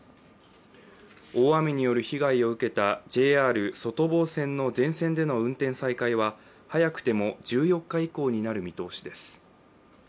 大雨による被害を受けたＪＲ外房線の全線での運転再開は早くても１４日以降になる見通しです。